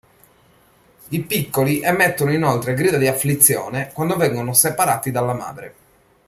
I piccoli emettono inoltre grida di afflizione quando vengono separati dalla madre.